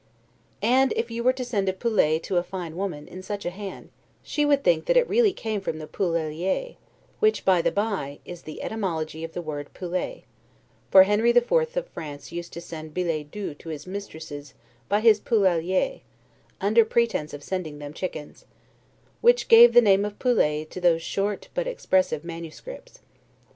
And, if you were to send a 'poulet' to a fine woman, in such a hand, she would think that it really came from the 'poulailler'; which, by the bye, is the etymology of the word 'poulet'; for Henry the Fourth of France used to send billets doux to his mistresses by his 'poulailler', under pretense of sending them chickens; which gave the name of poulets to those short, but expressive manuscripts.